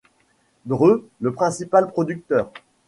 Dre le principal producteur.